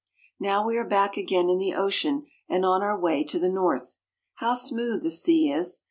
Now we are back again in the ocean and on our way to the north. How smooth the sea is